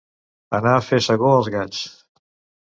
Anar a fer segó als gats.